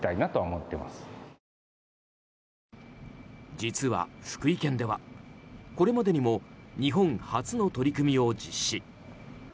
実は福井県ではこれまでにも日本初の取り組みを実施。